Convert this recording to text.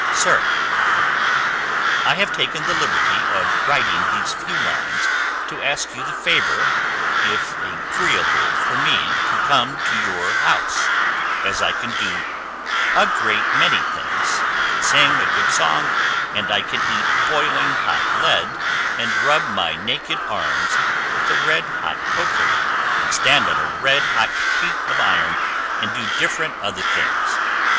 Sir: I have taken the Liberty of Riting those few lines to ask you the favour if a Greeable for me to Come to your House, as i Can do a great many different things i Can Sing a good Song and i Can Eat Boiling hot Lead and Rub my naked arms With a Red hot Poker and Stand on a Red hot sheet of iron, and do Diferent other things.